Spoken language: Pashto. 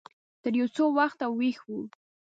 تر يو څه وخته ويښ و.